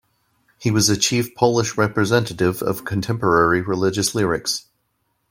He was a chief Polish representative of contemporary religious lyrics.